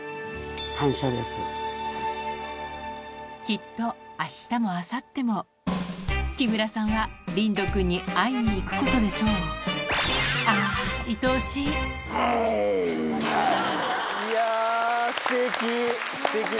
きっと明日も明後日も木村さんはリンドくんに会いに行くことでしょういやすてき！